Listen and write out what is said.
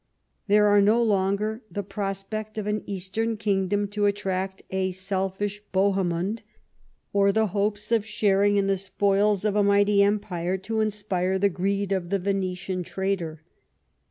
There was no longer the prospect of an Eastern kingdom to attract a selfish Bohemund, or the hopes of sharing in the spoils of a mighty empire to inspire the greed of the Venetian trader.